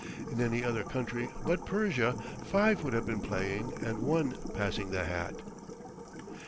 In any other country but Persia, five would have been playing and one passing the hat.